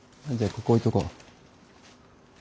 ここ置いとこう。